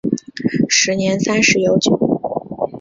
时年三十有九。